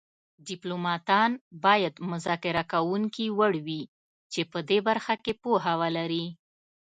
ډیپلوماتان باید مذاکره کوونکي وړ وي چې په دې برخه کې پوهه ولري